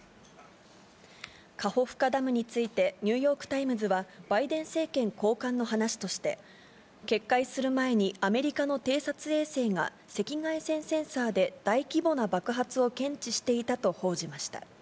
カホフカダムについてニューヨーク・タイムズは、バイデン政権高官の話として、決壊する前にアメリカの偵察衛星が赤外線センサーで大規模な爆発を検知していたと報じました。